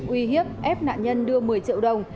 uy hiếp ép nạn nhân đưa một mươi triệu đồng